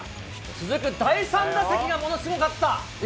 続く第３打席がものすごかった。